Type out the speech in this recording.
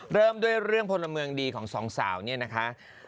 เริ่มด้วยเรื่องพลเมืองดีของสองสาวเนี่ยนะคะ